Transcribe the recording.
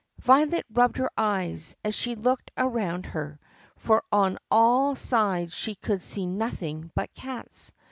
Violet rubbed her eyes as she looked around her, for on all sides she could see nothing but cats.